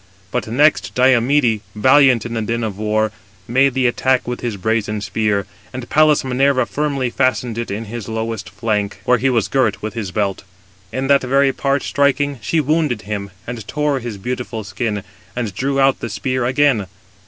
But next Diomede, valiant in the din of war, made the attack with his brazen spear; and Pallas Minerva firmly fastened it in his lowest flank, where he was girt with his belt. In that very part striking, she wounded him, and tore his beautiful skin, and drew out the spear again.